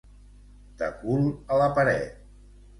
De cul a la paret.